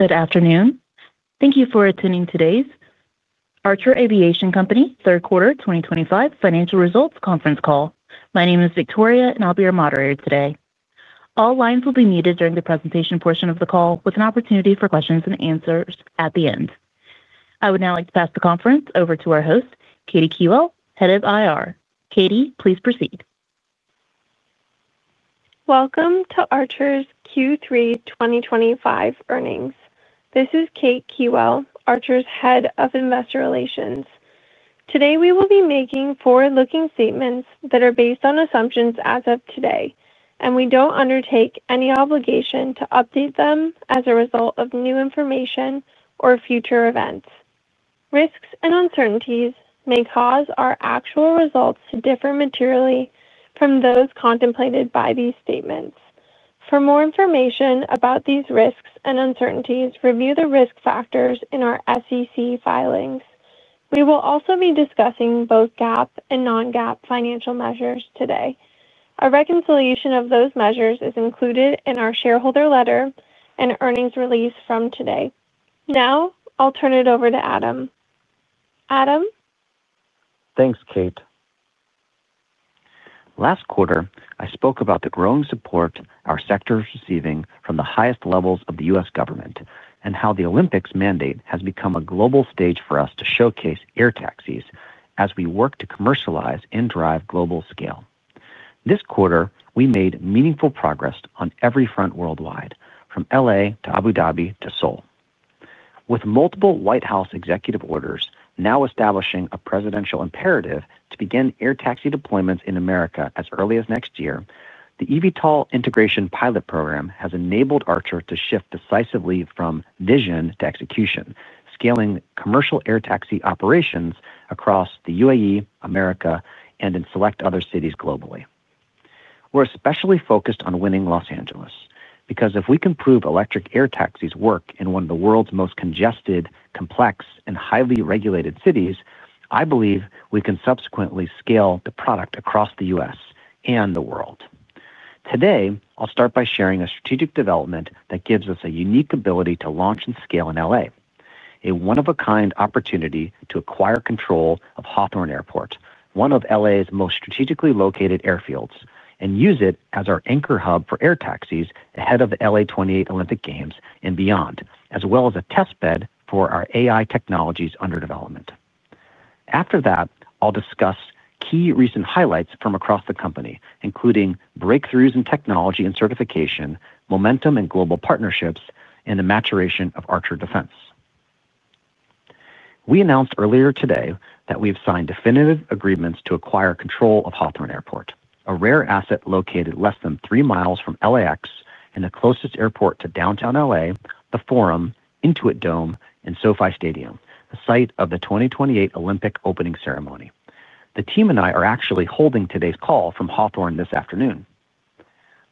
Good afternoon. Thank you for attending today's Archer Aviation Company Third Quarter 2025 Financial Results Conference Call. My name is Victoria, and I'll be your moderator today. All lines will be muted during the presentation portion of the call, with an opportunity for questions and answers at the end. I would now like to pass the conference over to our host, Katie Kiewel, Head of IR. Katie, please proceed. Welcome to Archer's Q3 2025 earnings. This is Katie Kiewel, Archer's Head of Investor Relations. Today, we will be making forward-looking statements that are based on assumptions as of today, and we don't undertake any obligation to update them as a result of new information or future events. Risks and uncertainties may cause our actual results to differ materially from those contemplated by these statements. For more information about these risks and uncertainties, review the risk factors in our SEC filings. We will also be discussing both GAAP and non-GAAP financial measures today. A reconciliation of those measures is included in our shareholder letter and earnings release from today. Now, I'll turn it over to Adam. Adam. Thanks, Kate. Last quarter, I spoke about the growing support our sector is receiving from the highest levels of the U.S. government and how the Olympics mandate has become a global stage for us to showcase air taxis as we work to commercialize and drive global scale. This quarter, we made meaningful progress on every front worldwide, from L.A. to Abu Dhabi to Seoul. With multiple White House executive orders now establishing a presidential imperative to begin air taxi deployments in America as early as next year, the eVTOL integration pilot program has enabled Archer to shift decisively from vision to execution, scaling commercial air taxi operations across the UAE, America, and in select other cities globally. We're especially focused on winning Los Angeles because if we can prove electric air taxis work in one of the world's most congested, complex, and highly regulated cities, I believe we can subsequently scale the product across the U.S. and the world. Today, I'll start by sharing a strategic development that gives us a unique ability to launch and scale in L.A.: a one-of-a-kind opportunity to acquire control of Hawthorne Airport, one of L.A.'s most strategically located airfields, and use it as our anchor hub for air taxis ahead of the LA 2028 Olympic Games and beyond, as well as a test bed for our AI technologies under development. After that, I'll discuss key recent highlights from across the company, including breakthroughs in technology and certification, momentum in global partnerships, and the maturation of Archer Defense. We announced earlier today that we have signed definitive agreements to acquire control of Hawthorne Airport, a rare asset located less than three miles from LAX and the closest airport to downtown L.A., the Forum, Intuit Dome, and SoFi Stadium, the site of the 2028 Olympic opening ceremony. The team and I are actually holding today's call from Hawthorne this afternoon.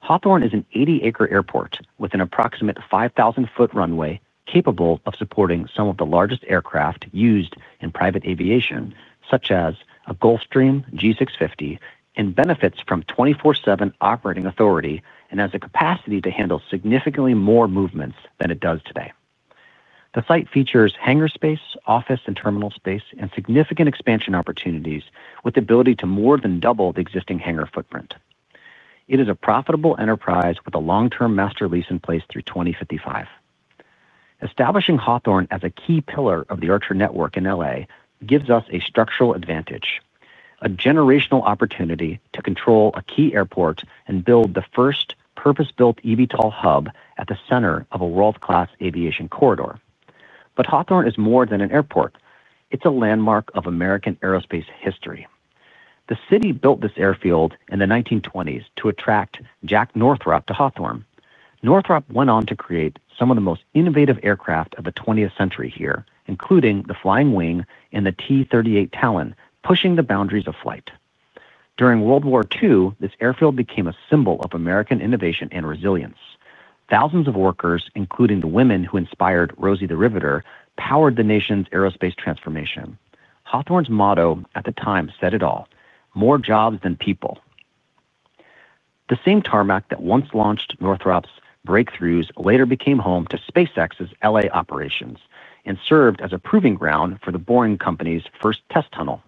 Hawthorne is an 80-acre airport with an approximate 5,000-foot runway capable of supporting some of the largest aircraft used in private aviation, such as a Gulfstream G650, and benefits from 24/7 operating authority and has the capacity to handle significantly more movements than it does today. The site features hangar space, office and terminal space, and significant expansion opportunities with the ability to more than double the existing hangar footprint. It is a profitable enterprise with a long-term master lease in place through 2055. Establishing Hawthorne as a key pillar of the Archer network in L.A. gives us a structural advantage, a generational opportunity to control a key airport and build the first purpose-built eVTOL hub at the center of a world-class aviation corridor. Hawthorne is more than an airport. It is a landmark of American aerospace history. The city built this airfield in the 1920s to attract Jack Northrop to Hawthorne. Northrop went on to create some of the most innovative aircraft of the 20th century here, including the Flying Wing and the T-38 Talon, pushing the boundaries of flight. During World War II, this airfield became a symbol of American innovation and resilience. Thousands of workers, including the women who inspired Rosie the Riveter, powered the nation's aerospace transformation. Hawthorne's motto at the time said it all: "More jobs than people." The same tarmac that once launched Northrop's breakthroughs later became home to SpaceX's L.A. operations and served as a proving ground for the Boeing Company's first test tunnel.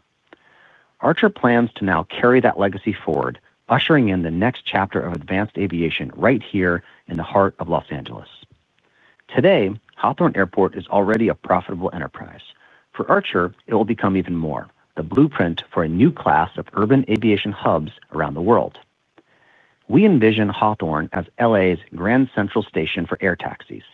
Archer plans to now carry that legacy forward, ushering in the next chapter of advanced aviation right here in the heart of Los Angeles. Today, Hawthorne Airport is already a profitable enterprise. For Archer, it will become even more, the blueprint for a new class of urban aviation hubs around the world. We envision Hawthorne as L.A.'s grand central station for air taxis,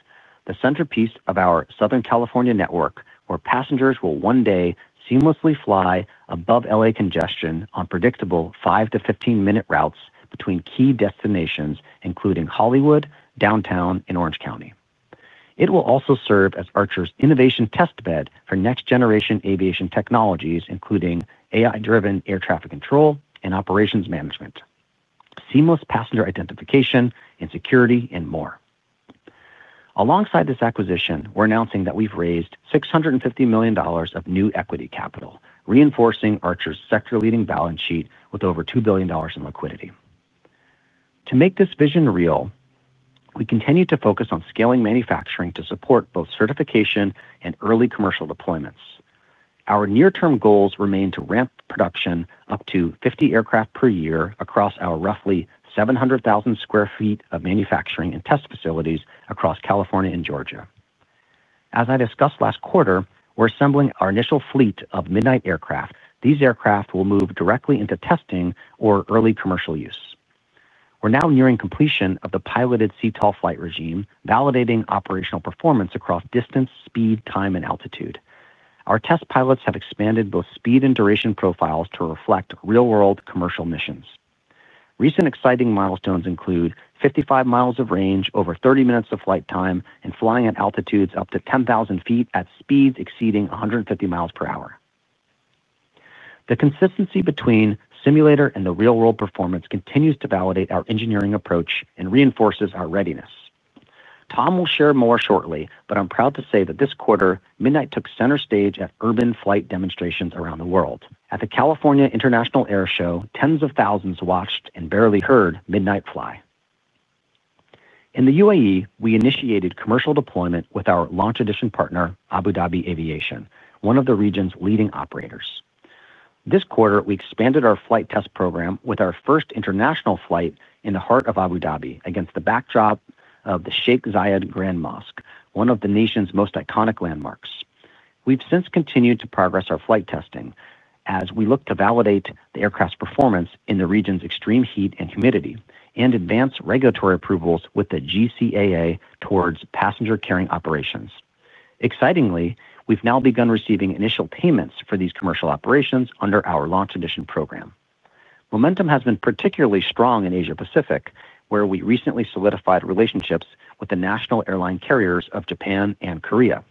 the centerpiece of our Southern California network, where passengers will one day seamlessly fly above L.A. congestion on predictable 5- to 15-minute routes between key destinations, including Hollywood, downtown, and Orange County. It will also serve as Archer's innovation test bed for next-generation aviation technologies, including AI-driven air traffic control and operations management. Seamless passenger identification and security, and more. Alongside this acquisition, we're announcing that we've raised $650 million of new equity capital, reinforcing Archer's sector-leading balance sheet with over $2 billion in liquidity. To make this vision real, we continue to focus on scaling manufacturing to support both certification and early commercial deployments. Our near-term goals remain to ramp production up to 50 aircraft per year across our roughly 700,000 sq ft of manufacturing and test facilities across California and Georgia. As I discussed last quarter, we're assembling our initial fleet of Midnight aircraft. These aircraft will move directly into testing or early commercial use. We're now nearing completion of the piloted CTOL flight regime, validating operational performance across distance, speed, time, and altitude. Our test pilots have expanded both speed and duration profiles to reflect real-world commercial missions. Recent exciting milestones include 55 miles of range, over 30 minutes of flight time, and flying at altitudes up to 10,000 ft at speeds exceeding 150 miles per hour. The consistency between simulator and the real-world performance continues to validate our engineering approach and reinforces our readiness. Tom will share more shortly, but I'm proud to say that this quarter, Midnight took center stage at urban flight demonstrations around the world. At the California International Air Show, tens of thousands watched and barely heard Midnight fly. In the UAE, we initiated commercial deployment with our launch edition partner, Abu Dhabi Aviation, one of the region's leading operators. This quarter, we expanded our flight test program with our first international flight in the heart of Abu Dhabi against the backdrop of the Sheikh Zayed Grand Mosque, one of the nation's most iconic landmarks. We've since continued to progress our flight testing as we look to validate the aircraft's performance in the region's extreme heat and humidity and advance regulatory approvals with the GCAA towards passenger-carrying operations. Excitingly, we've now begun receiving initial payments for these commercial operations under our launch edition program. Momentum has been particularly strong in Asia-Pacific, where we recently solidified relationships with the national airline carriers of Japan and Korea.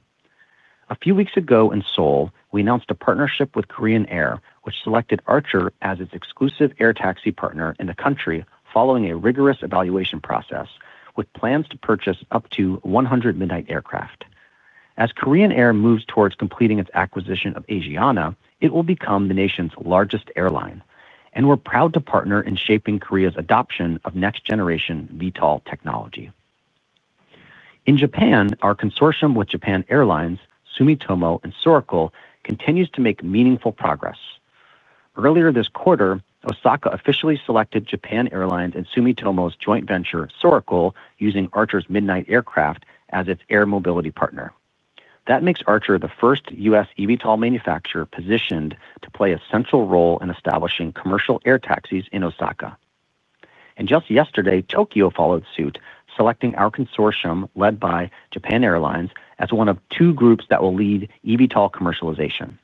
A few weeks ago in Seoul, we announced a partnership with Korean Air, which selected Archer as its exclusive air taxi partner in the country following a rigorous evaluation process with plans to purchase up to 100 Midnight aircraft. As Korean Air moves towards completing its acquisition of Asiana, it will become the nation's largest airline, and we're proud to partner in shaping Korea's adoption of next-generation VTOL technology. In Japan, our consortium with Japan Airlines, Sumitomo, and Soraco continues to make meaningful progress. Earlier this quarter, Osaka officially selected Japan Airlines and Sumitomo's joint venture, Soraco, using Archer's Midnight aircraft as its air mobility partner. That makes Archer the first U.S. eVTOL manufacturer positioned to play a central role in establishing commercial air taxis in Osaka. Just yesterday, Tokyo followed suit, selecting our consortium led by Japan Airlines as one of two groups that will lead eVTOL commercialization.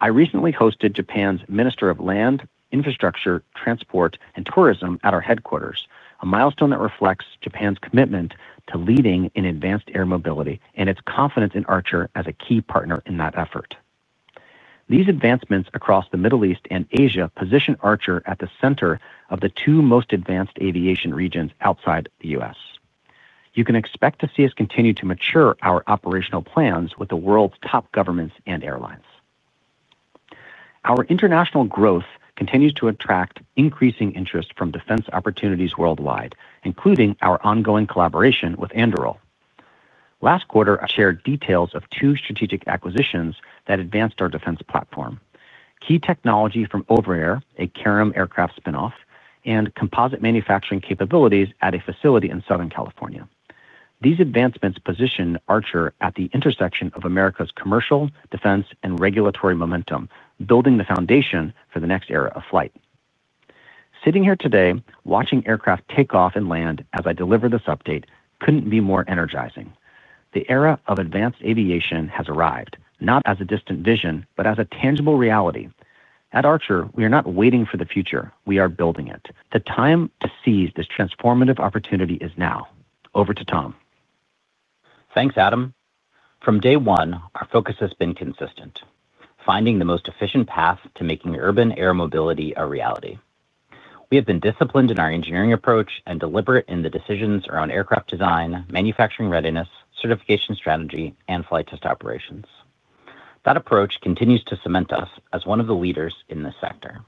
I recently hosted Japan's Minister of Land, Infrastructure, Transport, and Tourism at our headquarters, a milestone that reflects Japan's commitment to leading in advanced air mobility and its confidence in Archer as a key partner in that effort. These advancements across the Middle East and Asia position Archer at the center of the two most advanced aviation regions outside the U.S. You can expect to see us continue to mature our operational plans with the world's top governments and airlines. Our international growth continues to attract increasing interest from defense opportunities worldwide, including our ongoing collaboration with Anduril. Last quarter, I shared details of two strategic acquisitions that advanced our defense platform: key technology from OVAIR, a carom aircraft spinoff, and composite manufacturing capabilities at a facility in Southern California. These advancements position Archer at the intersection of America's commercial, defense, and regulatory momentum, building the foundation for the next era of flight. Sitting here today, watching aircraft take off and land as I deliver this update couldn't be more energizing. The era of advanced aviation has arrived, not as a distant vision, but as a tangible reality. At Archer, we are not waiting for the future. We are building it. The time to seize this transformative opportunity is now. Over to Tom. Thanks, Adam. From day one, our focus has been consistent: finding the most efficient path to making urban air mobility a reality. We have been disciplined in our engineering approach and deliberate in the decisions around aircraft design, manufacturing readiness, certification strategy, and flight test operations. That approach continues to cement us as one of the leaders in this sector.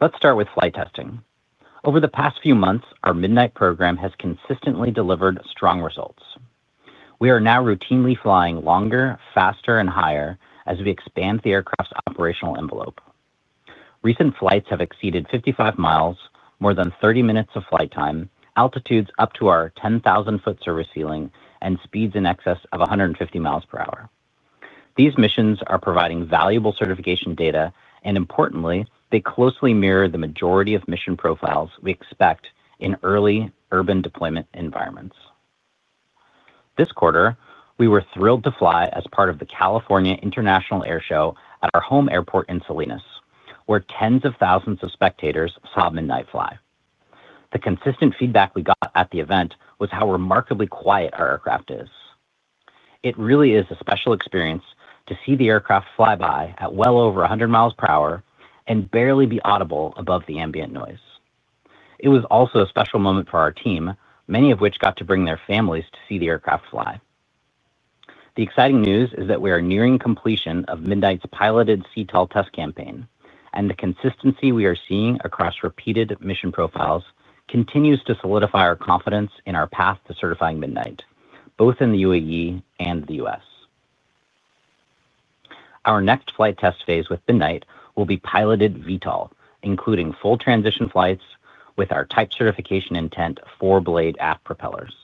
Let's start with flight testing. Over the past few months, our Midnight program has consistently delivered strong results. We are now routinely flying longer, faster, and higher as we expand the aircraft's operational envelope. Recent flights have exceeded 55 miles, more than 30 minutes of flight time, altitudes up to our 10,000 ft service ceiling, and speeds in excess of 150 miles per hour. These missions are providing valuable certification data, and importantly, they closely mirror the majority of mission profiles we expect in early urban deployment environments. This quarter, we were thrilled to fly as part of the California International Air Show at our home airport in Salinas, where tens of thousands of spectators saw Midnight fly. The consistent feedback we got at the event was how remarkably quiet our aircraft is. It really is a special experience to see the aircraft fly by at well over 100 miles per hour and barely be audible above the ambient noise. It was also a special moment for our team, many of whom got to bring their families to see the aircraft fly. The exciting news is that we are nearing completion of Midnight's piloted CTOL test campaign, and the consistency we are seeing across repeated mission profiles continues to solidify our confidence in our path to certifying Midnight, both in the UAE and the U.S. Our next flight test phase with Midnight will be piloted VTOL, including full transition flights with our type certification intent for blade aft propellers.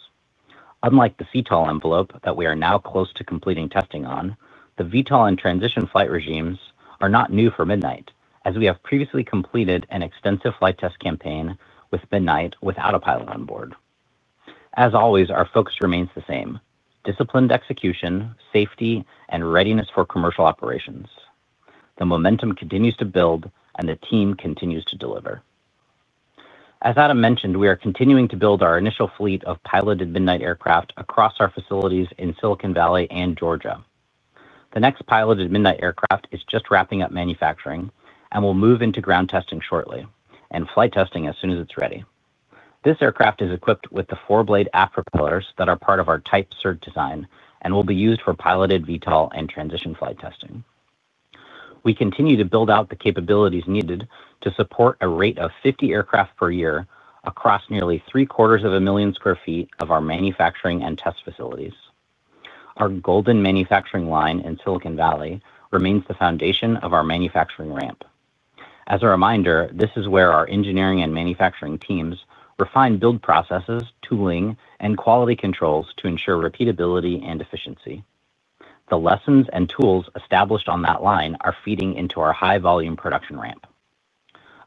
Unlike the CTOL envelope that we are now close to completing testing on, the VTOL and transition flight regimes are not new for Midnight, as we have previously completed an extensive flight test campaign with Midnight without a pilot on board. As always, our focus remains the same: disciplined execution, safety, and readiness for commercial operations. The momentum continues to build, and the team continues to deliver. As Adam mentioned, we are continuing to build our initial fleet of piloted Midnight aircraft across our facilities in Silicon Valley and Georgia. The next piloted Midnight aircraft is just wrapping up manufacturing and will move into ground testing shortly and flight testing as soon as it's ready. This aircraft is equipped with the four Blade aft propellers that are part of our type cert design and will be used for piloted VTOL and transition flight testing. We continue to build out the capabilities needed to support a rate of 50 aircraft per year across nearly three-quarters of a million sq ft of our manufacturing and test facilities. Our golden manufacturing line in Silicon Valley remains the foundation of our manufacturing ramp. As a reminder, this is where our engineering and manufacturing teams refine build processes, tooling, and quality controls to ensure repeatability and efficiency. The lessons and tools established on that line are feeding into our high-volume production ramp.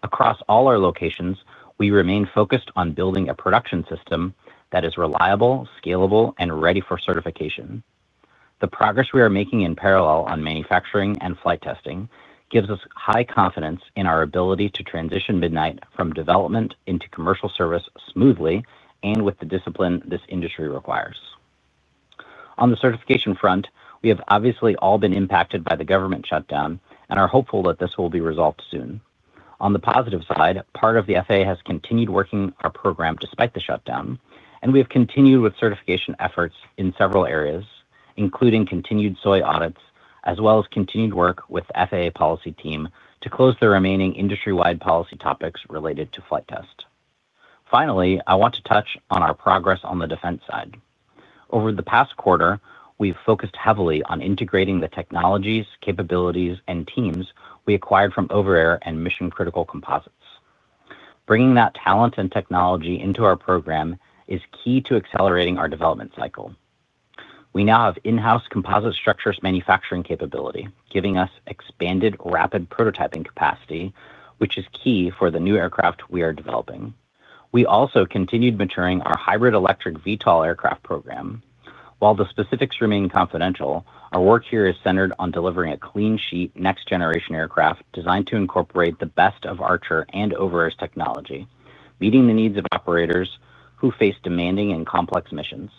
Across all our locations, we remain focused on building a production system that is reliable, scalable, and ready for certification. The progress we are making in parallel on manufacturing and flight testing gives us high confidence in our ability to transition Midnight from development into commercial service smoothly and with the discipline this industry requires. On the certification front, we have obviously all been impacted by the government shutdown and are hopeful that this will be resolved soon. On the positive side, part of the FAA has continued working our program despite the shutdown, and we have continued with certification efforts in several areas, including continued SOI audits, as well as continued work with the FAA policy team to close the remaining industry-wide policy topics related to flight test. Finally, I want to touch on our progress on the defense side. Over the past quarter, we've focused heavily on integrating the technologies, capabilities, and teams we acquired from OVAIR and mission-critical composites. Bringing that talent and technology into our program is key to accelerating our development cycle. We now have in-house composite structures manufacturing capability, giving us expanded rapid prototyping capacity, which is key for the new aircraft we are developing. We also continued maturing our hybrid electric VTOL aircraft program. While the specifics remain confidential, our work here is centered on delivering a clean-sheet next-generation aircraft designed to incorporate the best of Archer and OVAIR's technology, meeting the needs of operators who face demanding and complex missions.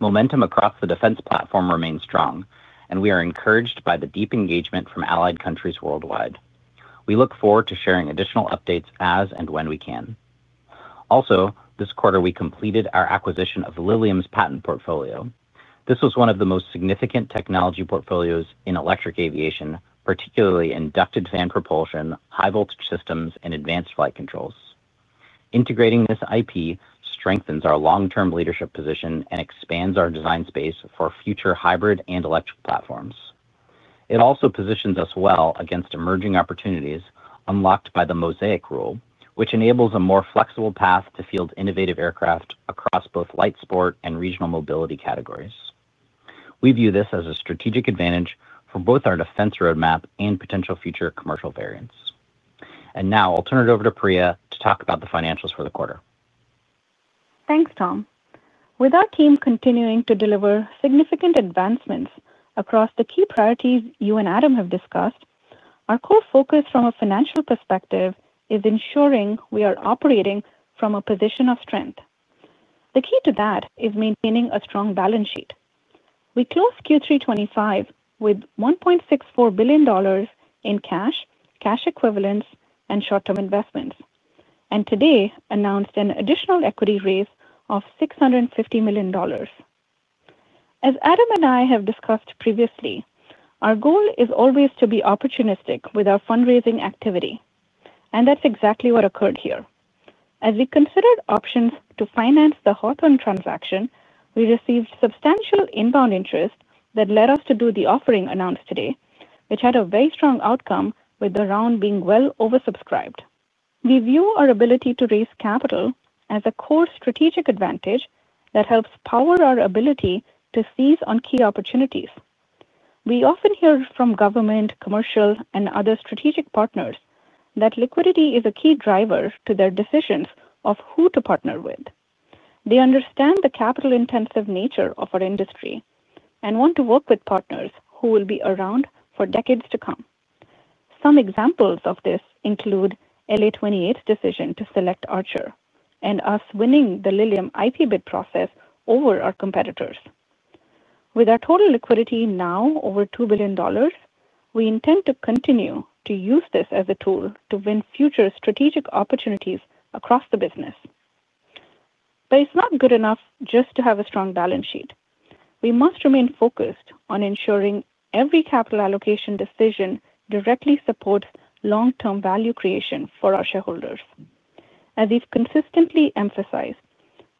Momentum across the defense platform remains strong, and we are encouraged by the deep engagement from allied countries worldwide. We look forward to sharing additional updates as and when we can. Also, this quarter, we completed our acquisition of Lilium's patent portfolio. This was one of the most significant technology portfolios in electric aviation, particularly in ducted fan propulsion, high-voltage systems, and advanced flight controls. Integrating this IP strengthens our long-term leadership position and expands our design space for future hybrid and electric platforms. It also positions us well against emerging opportunities unlocked by the Mosaic Rule, which enables a more flexible path to field innovative aircraft across both light sport and regional mobility categories. We view this as a strategic advantage for both our defense roadmap and potential future commercial variants. Now, I'll turn it over to Priya to talk about the financials for the quarter. Thanks, Tom. With our team continuing to deliver significant advancements across the key priorities you and Adam have discussed, our core focus from a financial perspective is ensuring we are operating from a position of strength. The key to that is maintaining a strong balance sheet. We closed Q3 2025 with $1.64 billion in cash, cash equivalents, and short-term investments, and today announced an additional equity raise of $650 million. As Adam and I have discussed previously, our goal is always to be opportunistic with our fundraising activity, and that's exactly what occurred here. As we considered options to finance the Hawthorne transaction, we received substantial inbound interest that led us to do the offering announced today, which had a very strong outcome with the round being well oversubscribed. We view our ability to raise capital as a core strategic advantage that helps power our ability to seize on key opportunities. We often hear from government, commercial, and other strategic partners that liquidity is a key driver to their decisions of who to partner with. They understand the capital-intensive nature of our industry and want to work with partners who will be around for decades to come. Some examples of this include LA28's decision to select Archer and us winning the Lilium IP bid process over our competitors. With our total liquidity now over $2 billion, we intend to continue to use this as a tool to win future strategic opportunities across the business. It is not good enough just to have a strong balance sheet. We must remain focused on ensuring every capital allocation decision directly supports long-term value creation for our shareholders. As we've consistently emphasized,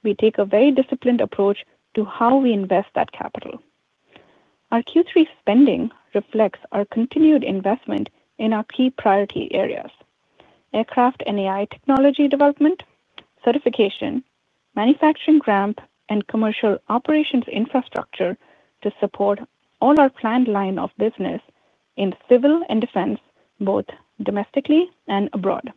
we take a very disciplined approach to how we invest that capital. Our Q3 spending reflects our continued investment in our key priority areas: aircraft and AI technology development, certification, manufacturing ramp, and commercial operations infrastructure to support all our planned line of business in civil and defense, both domestically and abroad.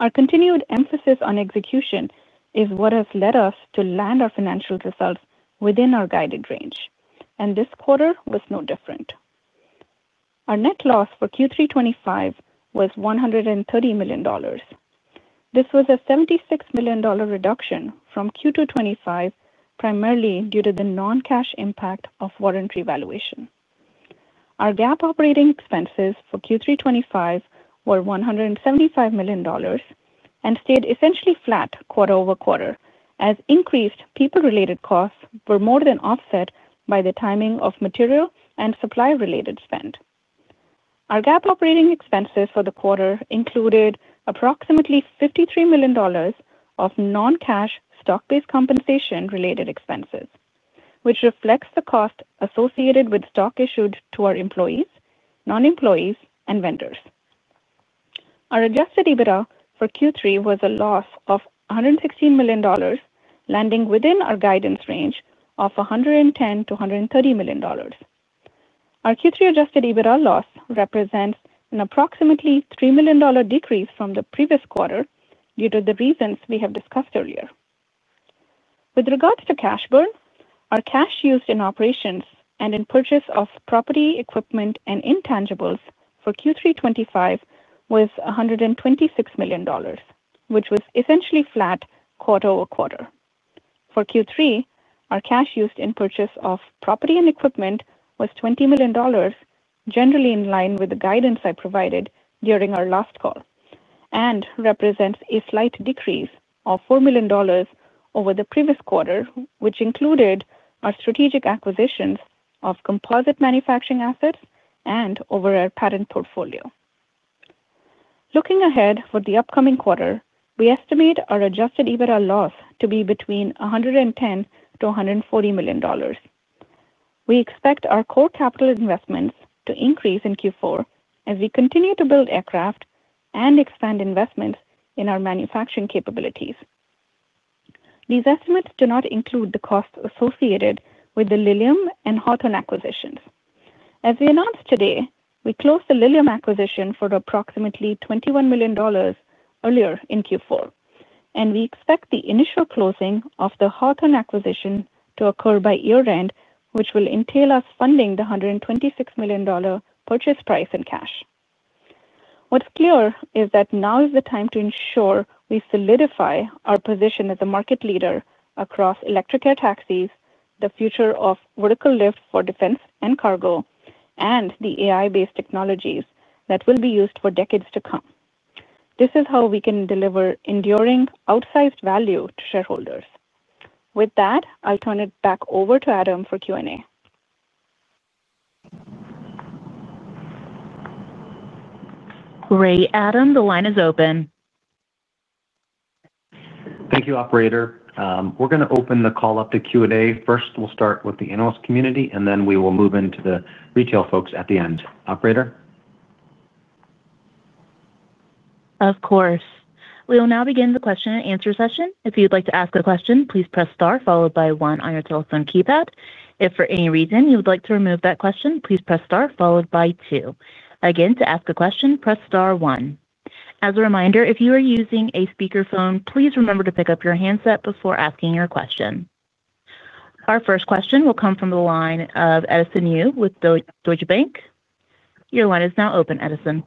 Our continued emphasis on execution is what has led us to land our financial results within our guided range, and this quarter was no different. Our net loss for Q3 2025 was $130 million. This was a $76 million reduction from Q2 2025, primarily due to the non-cash impact of warranty valuation. Our GAAP operating expenses for Q3 2025 were $175 million and stayed essentially flat quarter over quarter as increased people-related costs were more than offset by the timing of material and supply-related spend. Our GAAP operating expenses for the quarter included approximately $53 million of non-cash stock-based compensation-related expenses, which reflects the cost associated with stock issued to our employees, non-employees, and vendors. Our adjusted EBITDA for Q3 was a loss of $116 million, landing within our guidance range of $110-$130 million. Our Q3 adjusted EBITDA loss represents an approximately $3 million decrease from the previous quarter due to the reasons we have discussed earlier. With regards to cash burn, our cash used in operations and in purchase of property, equipment, and intangibles for Q3 2025 was $126 million, which was essentially flat quarter over quarter. For Q3, our cash used in purchase of property and equipment was $20 million, generally in line with the guidance I provided during our last call, and represents a slight decrease of $4 million over the previous quarter, which included our strategic acquisitions of composite manufacturing assets and OVAIR patent portfolio. Looking ahead for the upcoming quarter, we estimate our adjusted EBITDA loss to be between $110-$140 million. We expect our core capital investments to increase in Q4 as we continue to build aircraft and expand investments in our manufacturing capabilities. These estimates do not include the costs associated with the Lilium and Hawthorne acquisitions. As we announced today, we closed the Lilium acquisition for approximately $21 million earlier in Q4, and we expect the initial closing of the Hawthorne acquisition to occur by year-end, which will entail us funding the $126 million purchase price in cash. What's clear is that now is the time to ensure we solidify our position as a market leader across electric air taxis, the future of vertical lift for defense and cargo, and the AI-based technologies that will be used for decades to come. This is how we can deliver enduring outsized value to shareholders. With that, I'll turn it back over to Adam for Q&A. Great, Adam. The line is open. Thank you, Operator. We're going to open the call up to Q&A. First, we'll start with the analyst community, and then we will move into the retail folks at the end. Operator? Of course. We will now begin the question-and-answer session. If you'd like to ask a question, please press Star followed by 1 on your telephone keypad. If for any reason you would like to remove that question, please press Star followed by 2. Again, to ask a question, press Star 1. As a reminder, if you are using a speakerphone, please remember to pick up your handset before asking your question. Our first question will come from the line of Edison Yu with Deutsche Bank. Your line is now open, Edison.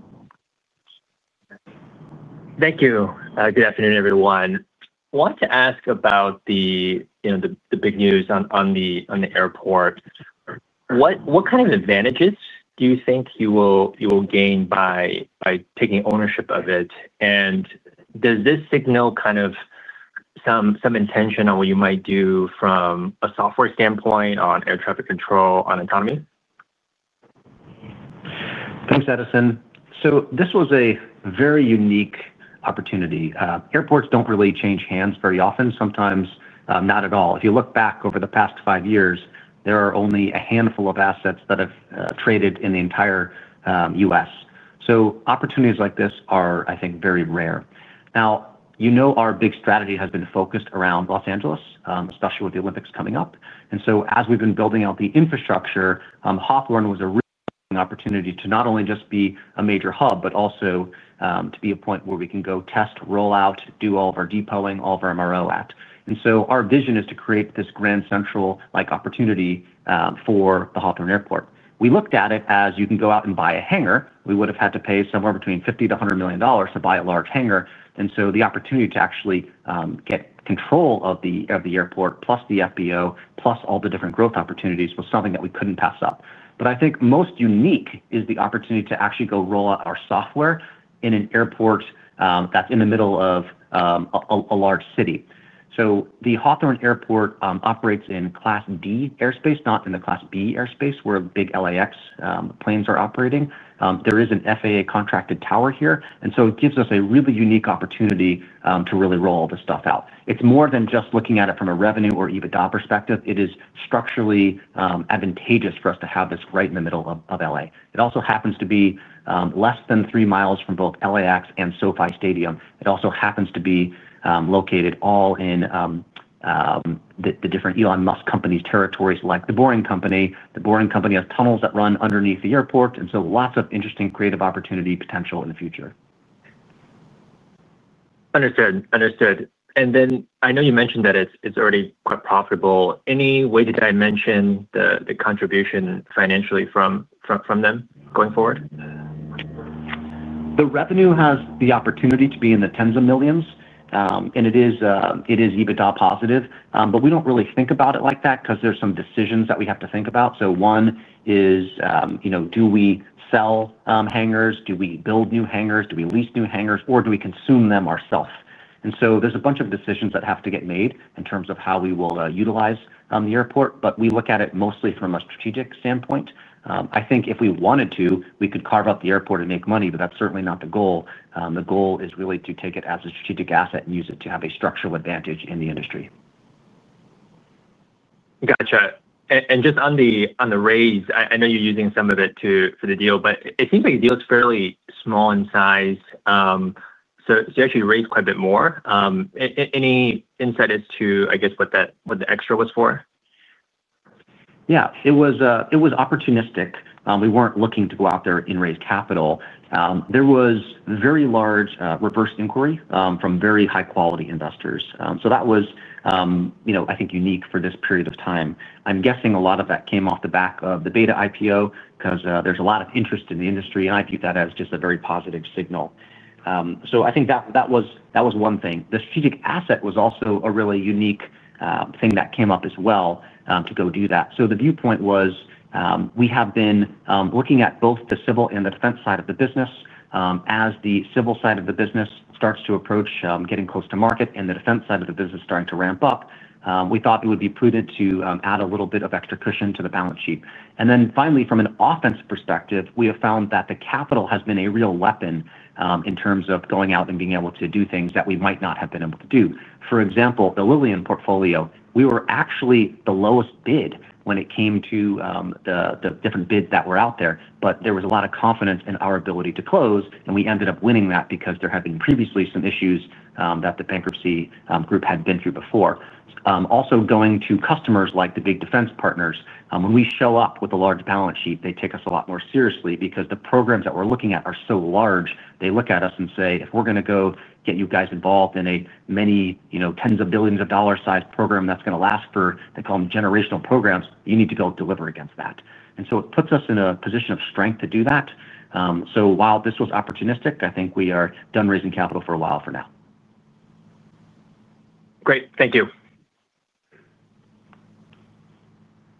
Thank you. Good afternoon, everyone. I want to ask about the big news on the airport. What kind of advantages do you think you will gain by taking ownership of it? Does this signal kind of some intention on what you might do from a software standpoint on air traffic control, on autonomy? Thanks, Edison. This was a very unique opportunity. Airports do not really change hands very often. Sometimes not at all. If you look back over the past five years, there are only a handful of assets that have traded in the entire U.S. Opportunities like this are, I think, very rare. You know our big strategy has been focused around Los Angeles, especially with the Olympics coming up. As we have been building out the infrastructure, Hawthorne was a really good opportunity to not only just be a major hub, but also to be a point where we can go test, roll out, do all of our depoting, all of our MRO at. Our vision is to create this grand central opportunity for the Hawthorne Airport. We looked at it as you can go out and buy a hangar. We would have had to pay somewhere between $50-$100 million to buy a large hangar. The opportunity to actually get control of the airport, plus the FBO, plus all the different growth opportunities was something that we could not pass up. I think most unique is the opportunity to actually go roll out our software in an airport that is in the middle of a large city. The Hawthorne Airport operates in Class D airspace, not in the Class B airspace where big LAX planes are operating. There is an FAA contracted tower here. It gives us a really unique opportunity to really roll all this stuff out. It is more than just looking at it from a revenue or EBITDA perspective. It is structurally advantageous for us to have this right in the middle of LA. It also happens to be less than three miles from both LAX and SoFi Stadium. It also happens to be located all in the different Elon Musk companies' territories like The Boring Company. The Boring Company has tunnels that run underneath the airport. Lots of interesting creative opportunity potential in the future. Understood. Understood. I know you mentioned that it's already quite profitable. Any way to dimension the contribution financially from them going forward? The revenue has the opportunity to be in the tens of millions, and it is EBITDA positive. We do not really think about it like that because there are some decisions that we have to think about. One is, do we sell hangars? Do we build new hangars? Do we lease new hangars? Or do we consume them ourselves? There are a bunch of decisions that have to get made in terms of how we will utilize the airport. We look at it mostly from a strategic standpoint. I think if we wanted to, we could carve out the airport and make money, but that is certainly not the goal. The goal is really to take it as a strategic asset and use it to have a structural advantage in the industry. Gotcha. Just on the raise, I know you're using some of it for the deal, but it seems like the deal is fairly small in size. You actually raised quite a bit more. Any insight as to, I guess, what the extra was for? Yeah. It was opportunistic. We were not looking to go out there and raise capital. There was very large reverse inquiry from very high-quality investors. That was, I think, unique for this period of time. I'm guessing a lot of that came off the back of the Beta IPO because there is a lot of interest in the industry, and I view that as just a very positive signal. I think that was one thing. The strategic asset was also a really unique thing that came up as well to go do that. The viewpoint was, we have been looking at both the civil and the defense side of the business. As the civil side of the business starts to approach getting close to market and the defense side of the business starting to ramp up, we thought it would be prudent to add a little bit of extra cushion to the balance sheet. Finally, from an offense perspective, we have found that the capital has been a real weapon in terms of going out and being able to do things that we might not have been able to do. For example, the Lilium portfolio, we were actually the lowest bid when it came to the different bids that were out there, but there was a lot of confidence in our ability to close, and we ended up winning that because there had been previously some issues that the bankruptcy group had been through before. Also, going to customers like the big defense partners, when we show up with a large balance sheet, they take us a lot more seriously because the programs that we're looking at are so large. They look at us and say, "If we're going to go get you guys involved in a many tens of billions of dollars sized program that's going to last for, they call them, generational programs, you need to go deliver against that." It puts us in a position of strength to do that. While this was opportunistic, I think we are done raising capital for a while for now. Great. Thank you.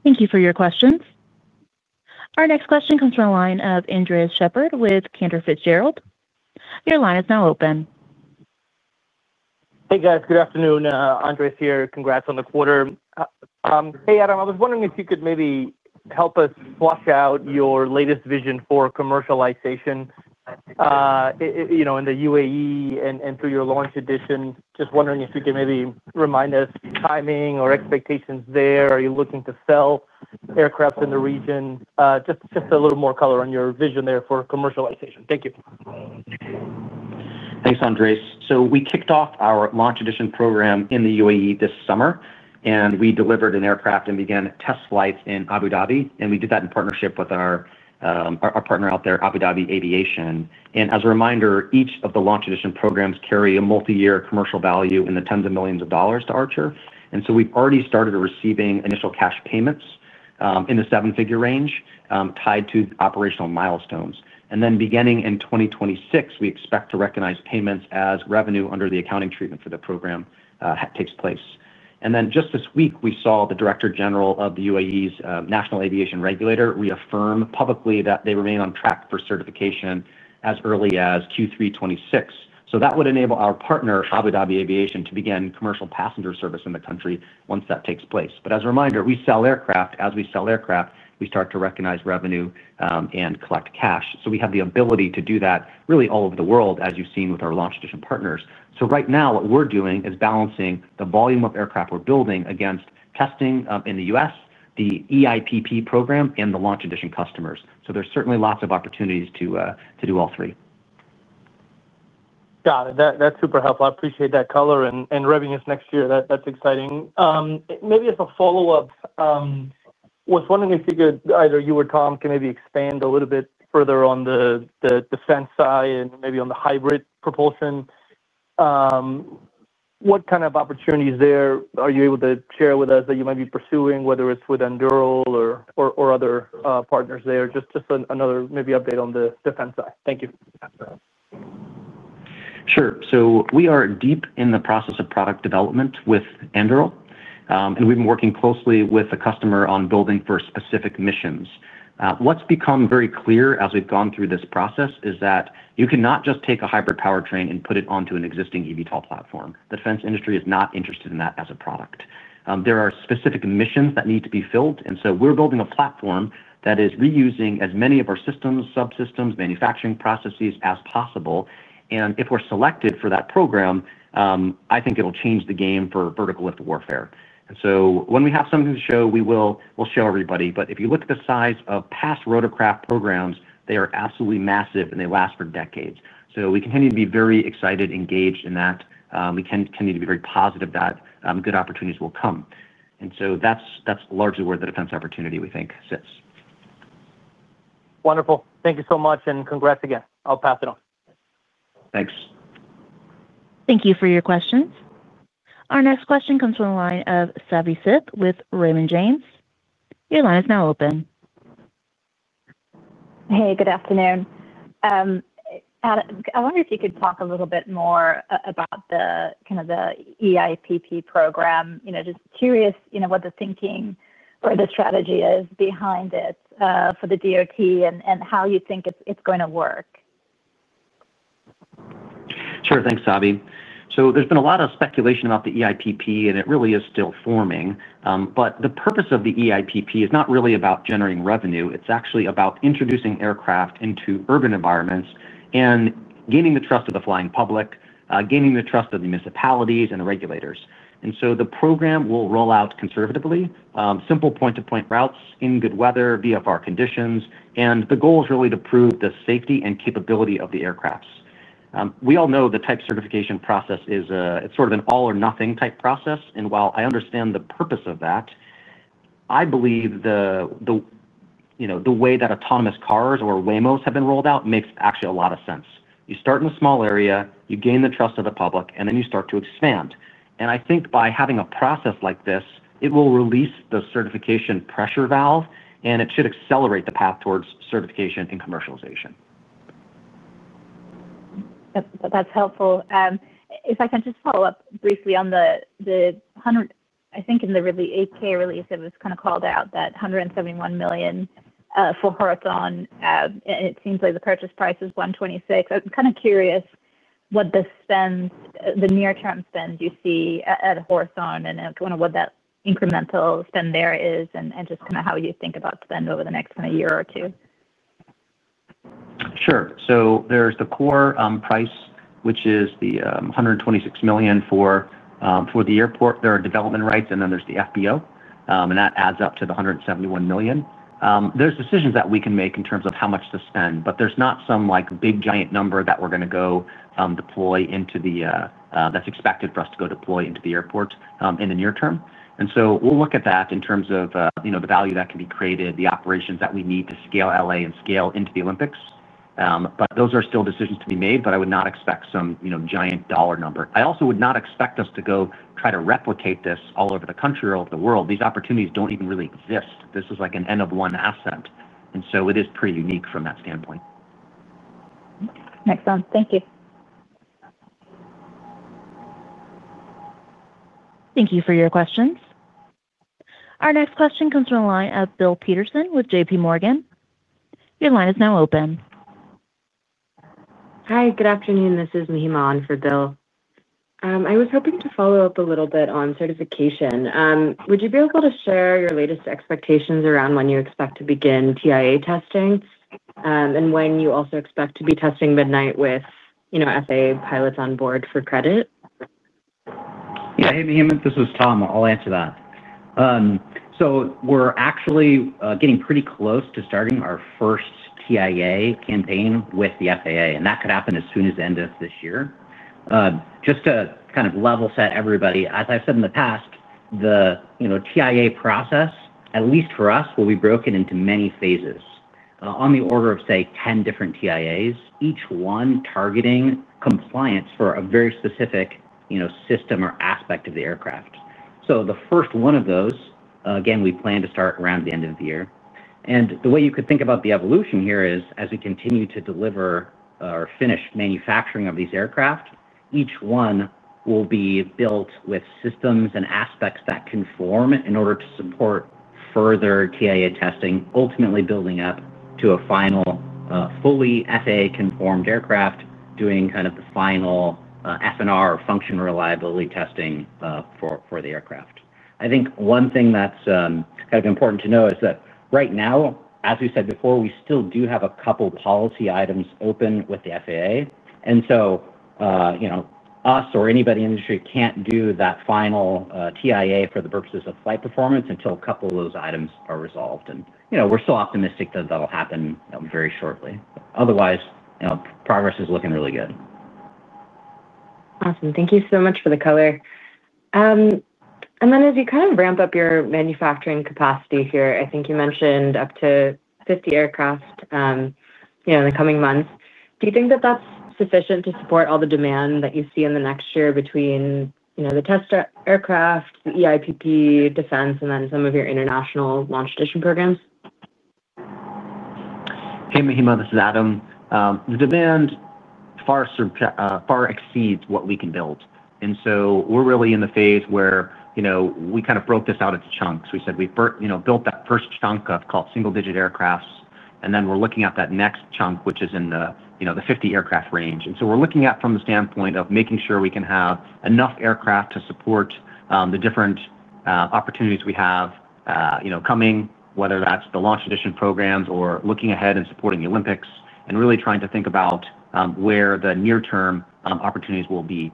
Thank you for your questions. Our next question comes from a line of Andrea Sheppard with Cantor Fitzgerald. Your line is now open. Hey, guys. Good afternoon. Andres here. Congrats on the quarter. Hey, Adam. I was wondering if you could maybe help us flush out your latest vision for commercialization in the UAE and through your launch edition. Just wondering if you could maybe remind us, timing or expectations there? Are you looking to sell aircraft in the region? Just a little more color on your vision there for commercialization. Thank you. Thanks, Andre. We kicked off our launch edition program in the UAE this summer, and we delivered an aircraft and began test flights in Abu Dhabi. We did that in partnership with our partner out there, Abu Dhabi Aviation. As a reminder, each of the launch edition programs carry a multi-year commercial value in the tens of millions of dollars to Archer. We have already started receiving initial cash payments in the seven-figure range tied to operational milestones. Beginning in 2026, we expect to recognize payments as revenue under the accounting treatment for the program as it takes place. Just this week, we saw the director general of the UAE's national aviation regulator reaffirm publicly that they remain on track for certification as early as Q3 2026. That would enable our partner, Abu Dhabi Aviation, to begin commercial passenger service in the country once that takes place. As a reminder, we sell aircraft. As we sell aircraft, we start to recognize revenue and collect cash. We have the ability to do that really all over the world, as you have seen with our launch edition partners. Right now, what we are doing is balancing the volume of aircraft we are building against testing in the U.S., the EIPP program, and the launch edition customers. There are certainly lots of opportunities to do all three. Got it. That's super helpful. I appreciate that color and revenues next year. That's exciting. Maybe as a follow-up, I was wondering if either you or Tom can maybe expand a little bit further on the defense side and maybe on the hybrid propulsion. What kind of opportunities there are you able to share with us that you might be pursuing, whether it's with Anduril or other partners there? Just another maybe update on the defense side. Thank you. Sure. We are deep in the process of product development with Anduril, and we've been working closely with a customer on building for specific missions. What's become very clear as we've gone through this process is that you cannot just take a hybrid powertrain and put it onto an existing eVTOL platform. The defense industry is not interested in that as a product. There are specific missions that need to be filled, and we are building a platform that is reusing as many of our systems, subsystems, manufacturing processes as possible. If we are selected for that program, I think it will change the game for vertical lift warfare. When we have something to show, we will show everybody. If you look at the size of past rotorcraft programs, they are absolutely massive, and they last for decades. We continue to be very excited, engaged in that. We continue to be very positive that good opportunities will come. That is largely where the defense opportunity, we think, sits. Wonderful. Thank you so much, and congrats again. I'll pass it on. Thanks. Thank you for your questions. Our next question comes from a line of Savinthi Syth with Raymond James. Your line is now open. Hey, good afternoon. I wonder if you could talk a little bit more about the kind of the EIPP program. Just curious what the thinking or the strategy is behind it for the DOT and how you think it's going to work. Sure. Thanks, Savi. There has been a lot of speculation about the EIPP, and it really is still forming. The purpose of the EIPP is not really about generating revenue. It is actually about introducing aircraft into urban environments and gaining the trust of the flying public, gaining the trust of the municipalities and the regulators. The program will roll out conservatively, simple point-to-point routes in good weather, VFR conditions. The goal is really to prove the safety and capability of the aircraft. We all know the type certification process is sort of an all-or-nothing type process. While I understand the purpose of that, I believe the way that autonomous cars or Waymos have been rolled out makes actually a lot of sense. You start in a small area, you gain the trust of the public, and then you start to expand. I think by having a process like this, it will release the certification pressure valve, and it should accelerate the path towards certification and commercialization. That's helpful. If I can just follow up briefly on the, I think in the 8-K release, it was kind of called out that $171 million for Hawthorne. And it seems like the purchase price is $126 million. I'm kind of curious what the near-term spend you see at Hawthorne and kind of what that incremental spend there is and just kind of how you think about spend over the next kind of year or two. Sure. So there's the core price, which is the $126 million for the airport. There are development rights, and then there's the FBO. And that adds up to the $171 million. There's decisions that we can make in terms of how much to spend, but there's not some big giant number that we're going to go deploy into the airport in the near term. We'll look at that in terms of the value that can be created, the operations that we need to scale LA and scale into the Olympics. Those are still decisions to be made, but I would not expect some giant dollar number. I also would not expect us to go try to replicate this all over the country or all over the world. These opportunities do not even really exist. This is like an end-of-one asset. It is pretty unique from that standpoint. Makes sense. Thank you. Thank you for your questions. Our next question comes from a line of Bill Peterson with JPMorgan. Your line is now open. Hi, good afternoon. This is Min Moon for Bill. I was hoping to follow up a little bit on certification. Would you be able to share your latest expectations around when you expect to begin TIA testing? And when you also expect to be testing Midnight with FAA pilots on board for credit? Yeah. Hey, Mihimon. This is Tom. I'll answer that. We're actually getting pretty close to starting our first TIA campaign with the FAA, and that could happen as soon as the end of this year. Just to kind of level set everybody, as I've said in the past, the TIA process, at least for us, will be broken into many phases on the order of, say, 10 different TIAs, each one targeting compliance for a very specific system or aspect of the aircraft. The first one of those, again, we plan to start around the end of the year. The way you could think about the evolution here is, as we continue to deliver or finish manufacturing of these aircraft, each one will be built with systems and aspects that conform in order to support further TIA testing, ultimately building up to a final. Fully FAA-conformed aircraft, doing kind of the final FNR or function reliability testing for the aircraft. I think one thing that's kind of important to know is that right now, as we said before, we still do have a couple of policy items open with the FAA. Us or anybody in the industry can't do that final TIA for the purposes of flight performance until a couple of those items are resolved. We're still optimistic that that'll happen very shortly. Otherwise, progress is looking really good. Awesome. Thank you so much for the color. Thank you so much for the color. As you kind of ramp up your manufacturing capacity here, I think you mentioned up to 50 aircraft in the coming months. Do you think that that's sufficient to support all the demand that you see in the next year between the test aircraft, the EIPP, defense, and then some of your international launch edition programs? Hey, Mihimon. This is Adam. The demand far exceeds what we can build. We are really in the phase where we kind of broke this out into chunks. We said we've built that first chunk of called single-digit aircraft, and then we're looking at that next chunk, which is in the 50 aircraft range. We are looking at it from the standpoint of making sure we can have enough aircraft to support the different opportunities we have coming, whether that's the launch edition programs or looking ahead and supporting the Olympics, and really trying to think about where the near-term opportunities will be.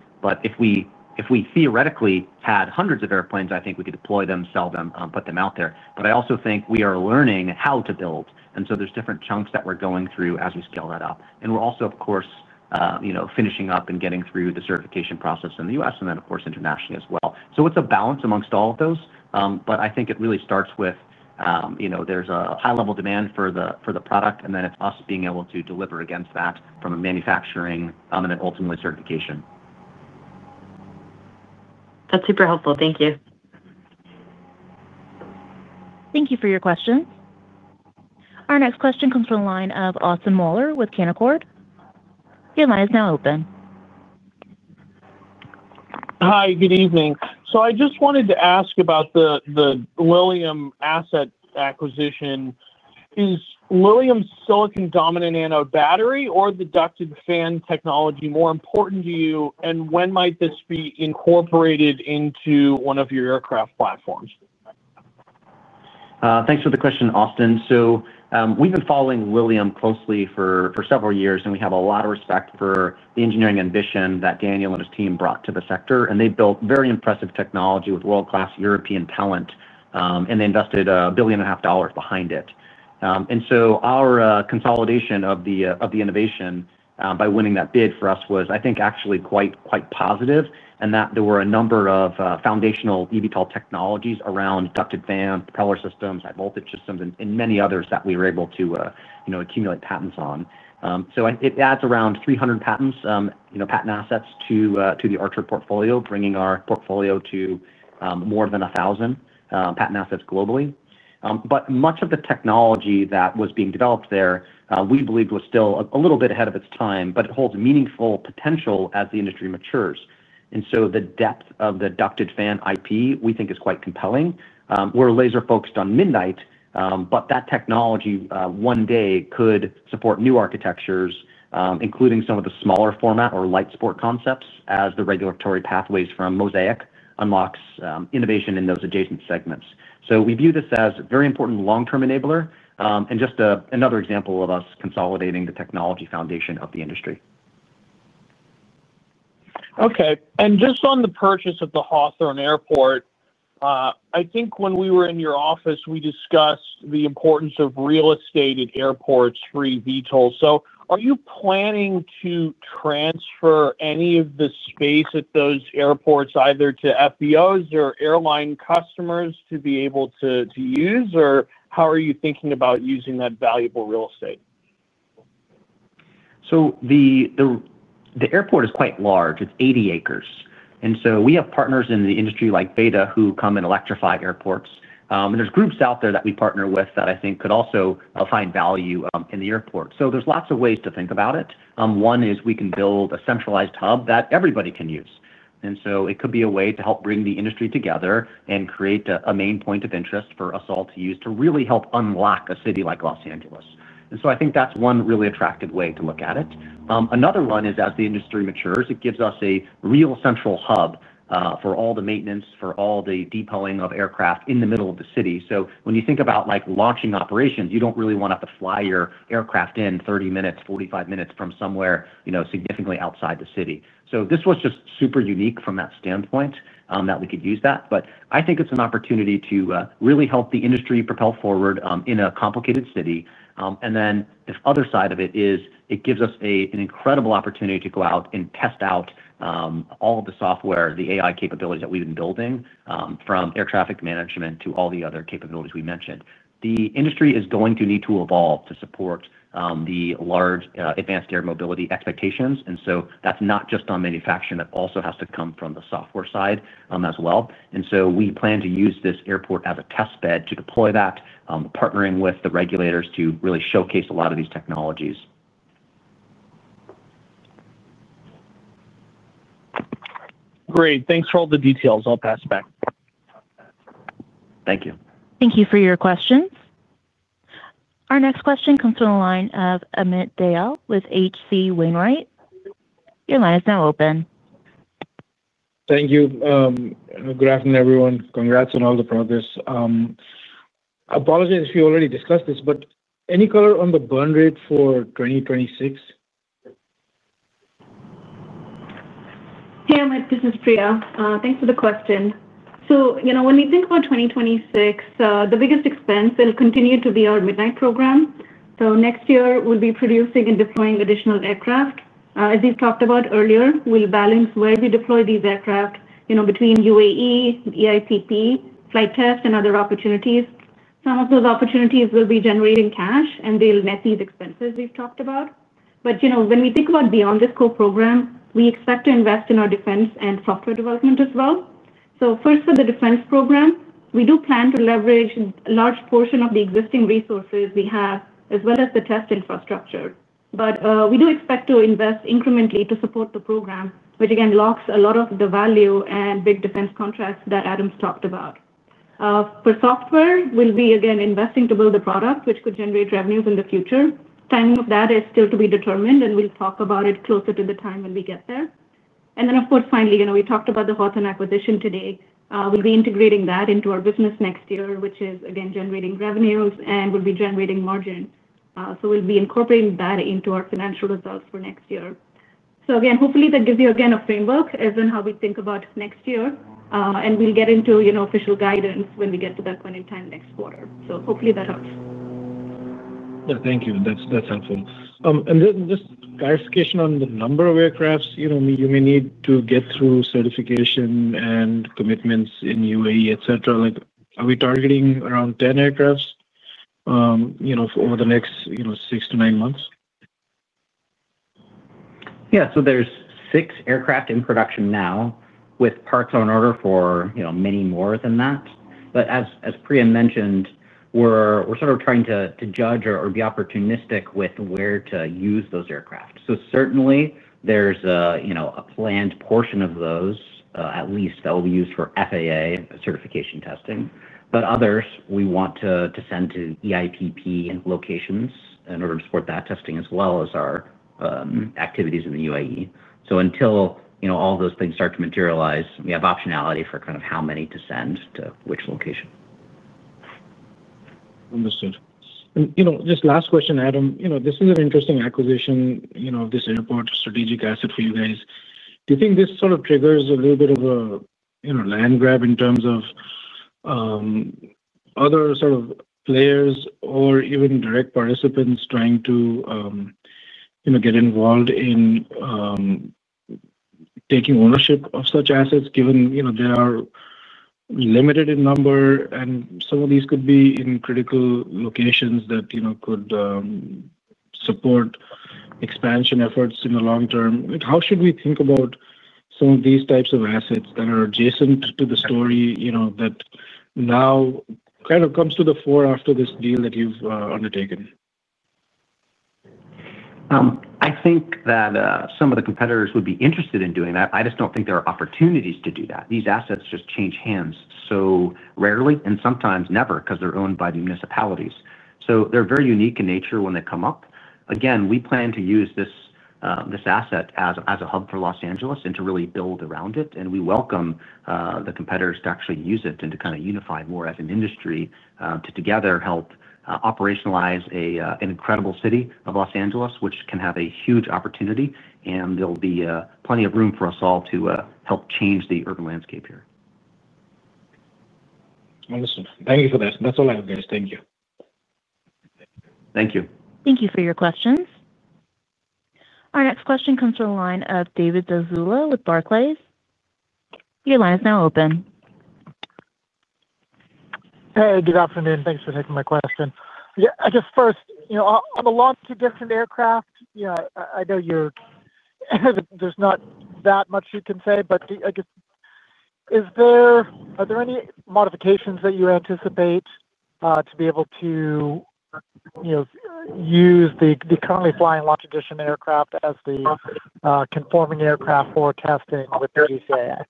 If we theoretically had hundreds of airplanes, I think we could deploy them, sell them, put them out there. I also think we are learning how to build, and there are different chunks that we're going through as we scale that up. We're also, of course, finishing up and getting through the certification process in the U.S. and then, of course, internationally as well. It's a balance amongst all of those. I think it really starts with there's a high-level demand for the product, and then it's us being able to deliver against that from a manufacturing and then ultimately certification. That's super helpful. Thank you. Thank you for your questions. Our next question comes from a line of Austin Moeller with Canaccord. Your line is now open. Hi, good evening. I just wanted to ask about the Lilium asset acquisition. Is Lilium's silicon-dominant anode battery or the ducted fan technology more important to you, and when might this be incorporated into one of your aircraft platforms? Thanks for the question, Austin. We've been following Lilium closely for several years, and we have a lot of respect for the engineering ambition that Daniel and his team brought to the sector. They built very impressive technology with world-class European talent, and they invested $1.5 billion behind it. Our consolidation of the innovation by winning that bid for us was, I think, actually quite positive in that there were a number of foundational eVTOL technologies around ducted fan, propeller systems, high-voltage systems, and many others that we were able to accumulate patents on. It adds around 300 patent assets to the Archer portfolio, bringing our portfolio to more than 1,000 patent assets globally. Much of the technology that was being developed there, we believe, was still a little bit ahead of its time, but it holds meaningful potential as the industry matures. The depth of the ducted fan IP, we think, is quite compelling. We're laser-focused on Midnight, but that technology one day could support new architectures, including some of the smaller format or light sport concepts as the regulatory pathways from Mosaic unlocks innovation in those adjacent segments. We view this as a very important long-term enabler and just another example of us consolidating the technology foundation of the industry. Okay. Just on the purchase of the Hawthorne Airport. I think when we were in your office, we discussed the importance of real estate at airports for eVTOL. Are you planning to transfer any of the space at those airports either to FBOs or airline customers to be able to use, or how are you thinking about using that valuable real estate? The airport is quite large. It's 80 acres. We have partners in the industry like Beta who come and electrify airports. There are groups out there that we partner with that I think could also find value in the airport. There are lots of ways to think about it. One is we can build a centralized hub that everybody can use. It could be a way to help bring the industry together and create a main point of interest for us all to use to really help unlock a city like Los Angeles. I think that's one really attractive way to look at it. Another one is, as the industry matures, it gives us a real central hub for all the maintenance, for all the depoting of aircraft in the middle of the city. When you think about launching operations, you do not really want to fly your aircraft in 30 minutes, 45 minutes from somewhere significantly outside the city. This was just super unique from that standpoint that we could use that. I think it is an opportunity to really help the industry propel forward in a complicated city. The other side of it is it gives us an incredible opportunity to go out and test out all of the software, the AI capabilities that we have been building, from air traffic management to all the other capabilities we mentioned. The industry is going to need to evolve to support the large advanced air mobility expectations. That is not just on manufacturing. That also has to come from the software side as well. We plan to use this airport as a test bed to deploy that, partnering with the regulators to really showcase a lot of these technologies. Great. Thanks for all the details. I'll pass it back. Thank you. Thank you for your questions. Our next question comes from a line of Amit Dake with HC Wainwright. Your line is now open. Thank you. Good afternoon, everyone. Congrats on all the progress. Apologies if you already discussed this, but any color on the burn rate for 2026? Hey, Amit. This is Priya. Thanks for the question. When we think about 2026, the biggest expense will continue to be our Midnight program. Next year, we'll be producing and deploying additional aircraft. As we've talked about earlier, we'll balance where we deploy these aircraft between UAE, EIPP, flight test, and other opportunities. Some of those opportunities will be generating cash, and they'll net these expenses we've talked about. When we think about beyond the scope program, we expect to invest in our defense and software development as well. First, for the defense program, we do plan to leverage a large portion of the existing resources we have, as well as the test infrastructure. We do expect to invest incrementally to support the program, which, again, locks a lot of the value and big defense contracts that Adam's talked about. For software, we'll be, again, investing to build the product, which could generate revenues in the future. Timing of that is still to be determined, and we'll talk about it closer to the time when we get there. Of course, finally, we talked about the Hawthorne acquisition today. We'll be integrating that into our business next year, which is, again, generating revenues and will be generating margin. We'll be incorporating that into our financial results for next year. Hopefully, that gives you, again, a framework as in how we think about next year. We'll get into official guidance when we get to that point in time next quarter. Hopefully, that helps. Yeah. Thank you. That's helpful. And just clarification on the number of aircraft. You may need to get through certification and commitments in UAE, etc. Are we targeting around 10 aircraft over the next six to nine months? Yeah. So there are six aircraft in production now with parts on order for many more than that. As Priya mentioned, we're sort of trying to judge or be opportunistic with where to use those aircraft. Certainly, there's a planned portion of those, at least, that will be used for FAA certification testing. Others, we want to send to EIPP locations in order to support that testing as well as our activities in the UAE. Until all those things start to materialize, we have optionality for kind of how many to send to which location. Understood. Just last question, Adam. This is an interesting acquisition, this airport strategic asset for you guys. Do you think this sort of triggers a little bit of a land grab in terms of other sort of players or even direct participants trying to get involved in taking ownership of such assets, given they are limited in number, and some of these could be in critical locations that could support expansion efforts in the long term? How should we think about some of these types of assets that are adjacent to the story that now kind of comes to the fore after this deal that you've undertaken? I think that some of the competitors would be interested in doing that. I just don't think there are opportunities to do that. These assets just change hands so rarely and sometimes never because they're owned by the municipalities. They are very unique in nature when they come up. Again, we plan to use this asset as a hub for Los Angeles and to really build around it. We welcome the competitors to actually use it and to kind of unify more as an industry to together help operationalize an incredible city of Los Angeles, which can have a huge opportunity, and there will be plenty of room for us all to help change the urban landscape here. Understood. Thank you for that. That's all I have, guys. Thank you. Thank you. Thank you for your questions. Our next question comes from a line of David Zazula with Barclays. Your line is now open. Hey, good afternoon. Thanks for taking my question. Yeah. I guess first. A launch-to-distant aircraft. I know you're. There's not that much you can say, but I guess. Are there any modifications that you anticipate to be able to use the currently flying launch-to-distant aircraft as the conforming aircraft for testing with the GCAA?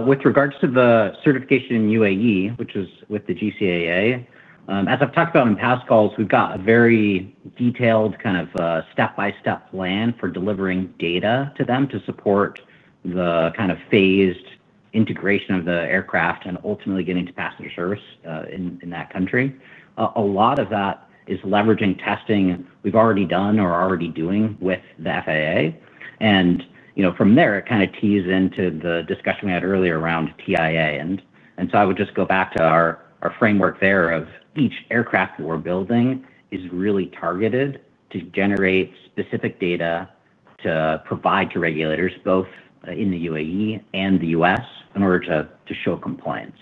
With regards to the certification in UAE, which is with the GCAA, as I've talked about in past calls, we've got a very detailed kind of step-by-step plan for delivering data to them to support. The kind of phased integration of the aircraft and ultimately getting to passenger service in that country. A lot of that is leveraging testing we've already done or are already doing with the FAA. From there, it kind of tees into the discussion we had earlier around FAA. I would just go back to our framework there of each aircraft that we're building is really targeted to generate specific data to provide to regulators, both in the UAE and the US, in order to show compliance.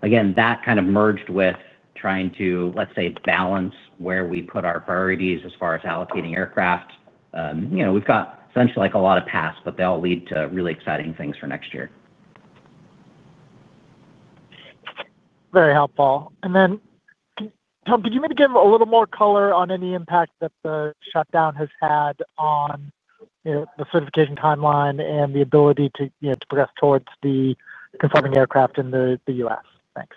Again, that kind of merged with trying to, let's say, balance where we put our priorities as far as allocating aircraft. We've got essentially a lot of paths, but they all lead to really exciting things for next year. Very helpful. Tom, could you maybe give a little more color on any impact that the shutdown has had on the certification timeline and the ability to progress towards the conforming aircraft in the U.S.? Thanks.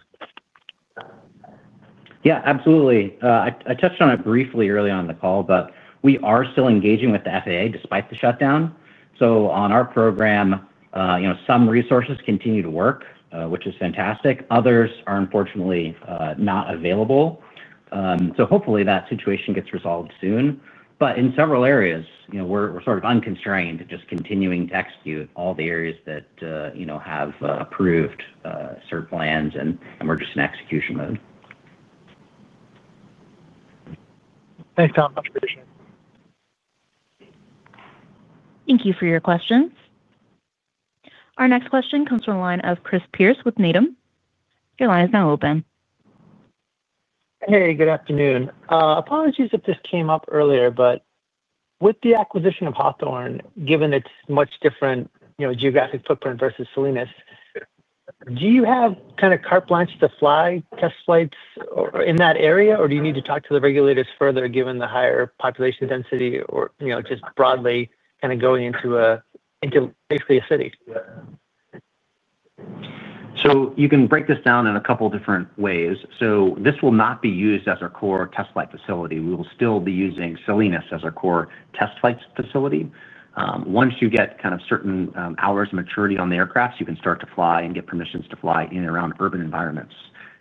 Yeah, absolutely. I touched on it briefly early on in the call, but we are still engaging with the FAA despite the shutdown. On our program, some resources continue to work, which is fantastic. Others are, unfortunately, not available. Hopefully, that situation gets resolved soon. In several areas, we're sort of unconstrained to just continuing to execute all the areas that have approved CERT plans, and we're just in execution mode. Thanks, Tom. Appreciate it. Thank you for your questions. Our next question comes from a line of Chris Pierce with Needham & Company. Your line is now open. Hey, good afternoon. Apologies if this came up earlier, but with the acquisition of Hawthorne, given its much different geographic footprint versus Salinas, do you have kind of carte blanche to fly test flights in that area, or do you need to talk to the regulators further given the higher population density or just broadly kind of going into basically a city? You can break this down in a couple of different ways. This will not be used as our core test flight facility. We will still be using Salinas as our core test flight facility. Once you get kind of certain hours of maturity on the aircraft, you can start to fly and get permissions to fly in and around urban environments.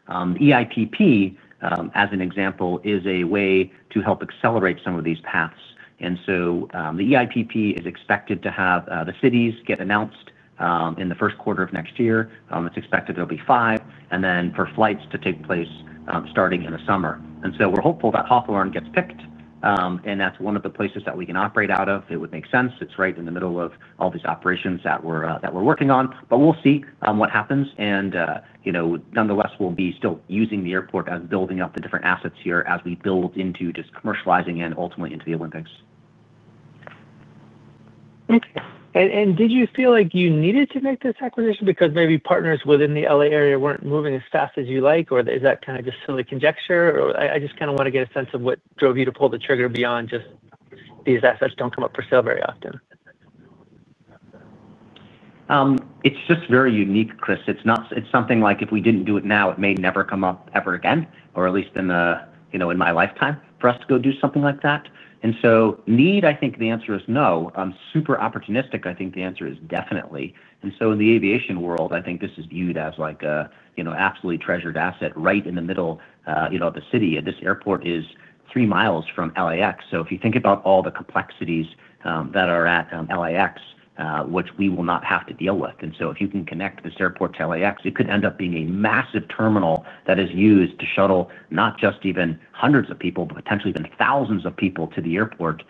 EIPP, as an example, is a way to help accelerate some of these paths. The EIPP is expected to have the cities get announced in the first quarter of next year. It is expected there will be five, and then for flights to take place starting in the summer. We are hopeful that Hawthorne gets picked, and that is one of the places that we can operate out of. It would make sense. It is right in the middle of all these operations that we are working on. We'll see what happens. Nonetheless, we'll be still using the airport as building up the different assets here as we build into just commercializing and ultimately into the Olympics. Okay. Did you feel like you needed to make this acquisition because maybe partners within the LA area were not moving as fast as you like, or is that kind of just silly conjecture? I just kind of want to get a sense of what drove you to pull the trigger beyond just these assets do not come up for sale very often. It's just very unique, Chris. It's something like if we didn't do it now, it may never come up ever again, or at least in my lifetime for us to go do something like that. Need, I think the answer is no. Super opportunistic, I think the answer is definitely. In the aviation world, I think this is viewed as an absolutely treasured asset right in the middle of the city. This airport is three miles from LAX. If you think about all the complexities that are at LAX, which we will not have to deal with. If you can connect this airport to LAX, it could end up being a massive terminal that is used to shuttle not just even hundreds of people, but potentially even thousands of people to the airport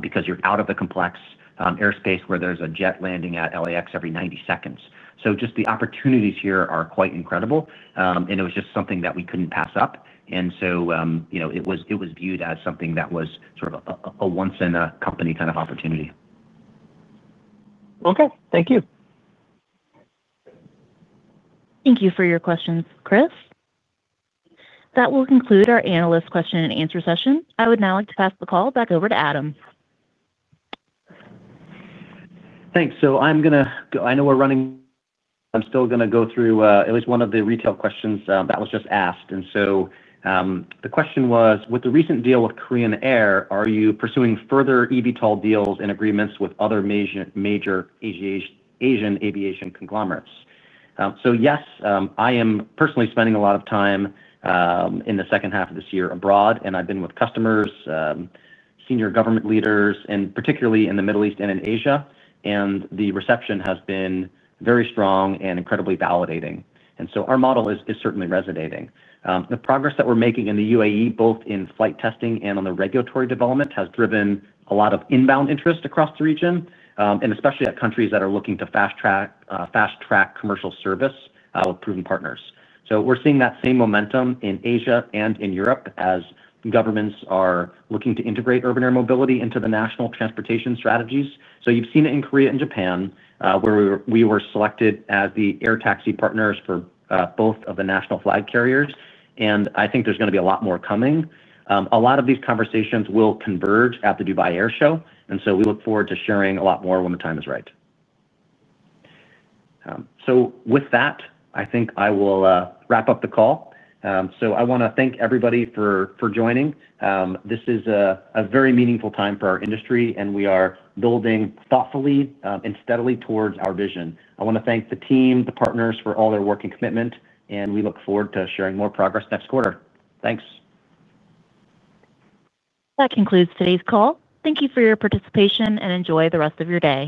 because you are out of the complex airspace where there is a jet landing at LAX every 90 seconds. The opportunities here are quite incredible. It was just something that we could not pass up. It was viewed as something that was sort of a once-in-a-company kind of opportunity. Okay. Thank you. Thank you for your questions, Chris. That will conclude our analyst question and answer session. I would now like to pass the call back over to Adam. Thanks. I'm going to—I know we're running—I'm still going to go through at least one of the retail questions that was just asked. The question was, with the recent deal with Korean Air, are you pursuing further eVTOL deals and agreements with other major Asian aviation conglomerates? Yes, I am personally spending a lot of time in the second half of this year abroad, and I've been with customers, senior government leaders, and particularly in the Middle East and in Asia. The reception has been very strong and incredibly validating. Our model is certainly resonating. The progress that we're making in the UAE, both in flight testing and on the regulatory development, has driven a lot of inbound interest across the region, especially at countries that are looking to fast-track commercial service with proven partners. We're seeing that same momentum in Asia and in Europe as governments are looking to integrate urban air mobility into the national transportation strategies. You've seen it in Korea and Japan, where we were selected as the air taxi partners for both of the national flag carriers. I think there's going to be a lot more coming. A lot of these conversations will converge at the Dubai Air Show. We look forward to sharing a lot more when the time is right. With that, I think I will wrap up the call. I want to thank everybody for joining. This is a very meaningful time for our industry, and we are building thoughtfully and steadily towards our vision. I want to thank the team, the partners for all their work and commitment, and we look forward to sharing more progress next quarter. Thanks. That concludes today's call. Thank you for your participation and enjoy the rest of your day.